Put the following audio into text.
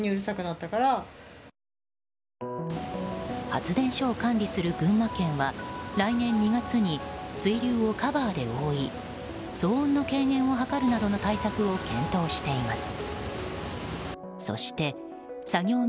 発電所を管理する群馬県は来年２月に水流をカバーで覆い騒音の軽減を図るなどの対策を検討しています。